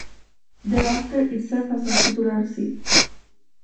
Thereafter it served as a titular see.